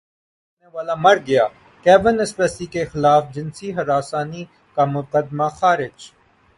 الزام لگانے والا مر گیا کیون اسپیسی کے خلاف جنسی ہراسانی کا مقدمہ خارج